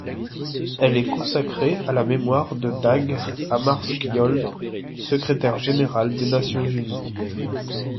Elle est consacrée à la mémoire de Dag Hammarskjöld, secrétaire général des Nations unies.